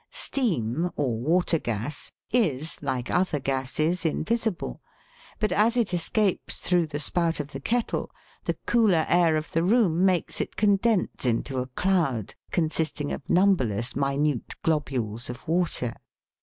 Steam, or water gas, is, like other gases, invisible ; but, as it escapes through the spout of the kettle the cooler air of the room makes it condense into a cloud, consisting of numberless minute globules of water.